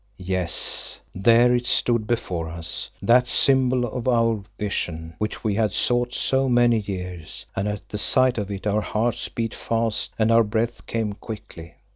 Yes, there it stood before us, that symbol of our vision which we had sought these many years, and at the sight of it our hearts beat fast and our breath came quickly.